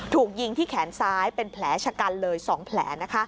ถูกยิงที่แขนซ้ายเป็นแผลชะกันเลย๒แผล